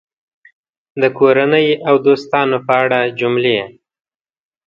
د کورنۍ او دوستانو په اړه جملې